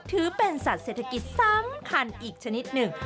ถือเป็นสัตว์เศรษฐกิจสำคัญอีกชนิดหนึ่ง